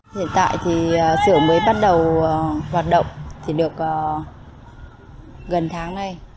hiện tại thì xưởng mới bắt đầu hoạt động thì được gần tháng nay